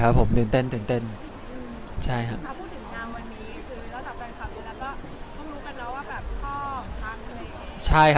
บางคนตื่นเต้นไหม